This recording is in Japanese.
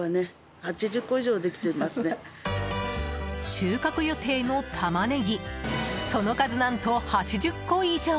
収穫予定のタマネギその数、何と８０個以上。